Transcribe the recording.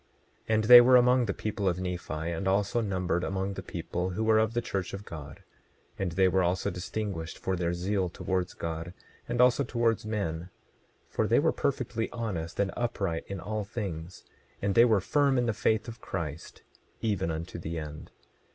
27:27 And they were among the people of Nephi, and also numbered among the people who were of the church of God. And they were also distinguished for their zeal towards God, and also towards men; for they were perfectly honest and upright in all things; and they were firm in the faith of Christ, even unto the end.